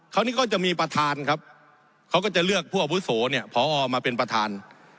คราวนี้ก็จะมีประธานครับเขาก็จะเลือกผู้อาวุโสเนี่ยพอมาเป็นประธาน